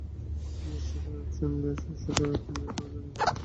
দুই স্টক এক্সচেঞ্জে দিন শেষে সূচক কমলেও শুরুতে ইতিবাচক প্রবণতায় ছিল।